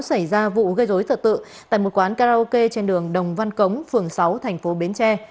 xảy ra vụ gây dối trật tự tại một quán karaoke trên đường đồng văn cống phường sáu thành phố bến tre